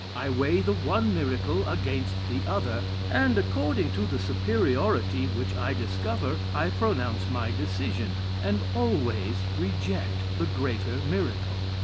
I weigh the one miracle against the other; and according to the superiority which I discover, I pronounce my decision, and always reject the greater miracle.